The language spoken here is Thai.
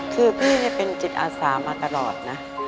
คือพี่เป็นจิตอาสามาตลอดนะ